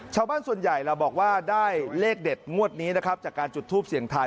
ชาวบ้านส่วนใหญ่เราบอกว่าได้เลขเด็ดงวดนี้นะครับจากการจุดทูปเสียงทาย